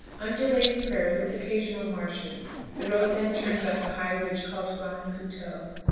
Undulating prairie with occasional marshes; the road then turns up the high ridge called "Grand Coteau."